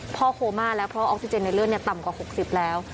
เพราะออกซิเจนในเลือดต่ำกว่า๖๐แล้ว